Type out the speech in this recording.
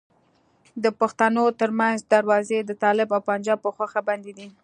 د پښتنو ترمنځ دروازې د طالب او پنجاب په خوښه بندي دي.